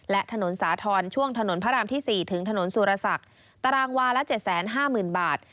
และถนนสาธรณ์ช่วงถนนพระรามที่๔ถึงถนนสุรศักดิ์ตารางวาละ๗๕๐๐๐บาท